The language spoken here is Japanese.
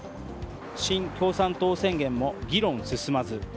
シン・共産党宣言も議論進まず。